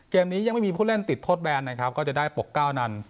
เกมนี้ยังไม่มีผู้เล่นติดโทษแบนนะครับก็จะได้ปกเก้านั้น